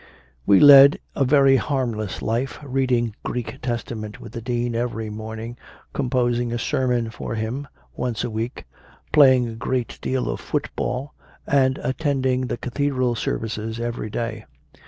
We led a very harmless life, reading Greek Testament with the Dean every morning, com posing a sermon for him once a week, play ing a great deal of football, and attending the 32 CONFESSIONS OF A CONVERT cathedral services every day.